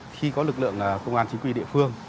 khi có lực lượng công an chính quy địa phương